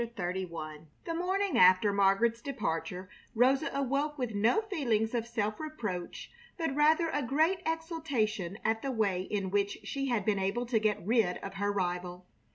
CHAPTER XXXI The morning after Margaret's departure Rosa awoke with no feelings of self reproach, but rather a great exultation at the way in which she had been able to get rid of her rival.